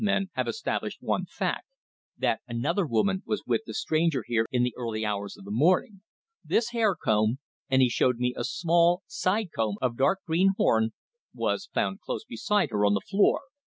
men have established one fact that another woman was with the stranger here in the early hours of this morning. This hair comb" and he showed me a small side comb of dark green horn "was found close beside her on the floor.